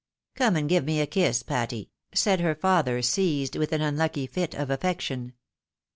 " Come and give me a kiss, Patty ?" said her father, seized with an unlucky fit of affection.